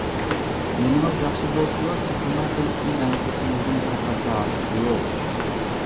مېلىڭىز ياخشى بولسىلا سېتىلماي قېلىشىدىن ئەنسىرىشىڭىزنىڭ پەقەتلا ھاجىتى يوق.